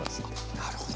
なるほど。